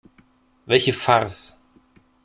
Welche Farce!